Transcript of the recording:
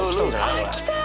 あっ来た！